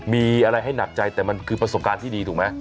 มีอะไรให้หนักใจแต่มันคือประสบการณ์ที่ดีถูกไหม